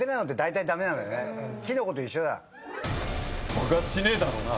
爆発しねえだろうな。